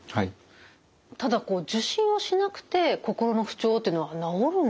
ただ受診をしなくて心の不調というのは治るんでしょうか？